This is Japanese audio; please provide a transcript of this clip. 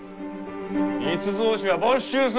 密造酒は没収する。